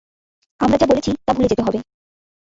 আমরা যা বলেছি তা ভুলে যেতে হবে।